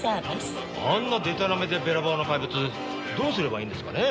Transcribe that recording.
あんなでたらめでべらぼうな怪物どうすればいいんですかね？